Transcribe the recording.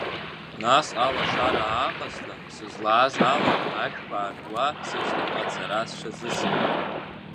Нас алашара ааҟасҵан, сызлааз ала ашәқәа аартуа сышьҭахьҟа ацара сҽазыскит.